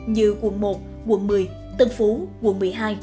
như quận một quận một mươi tân phú quận một mươi hai